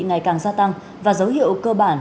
ngày càng gia tăng và dấu hiệu cơ bản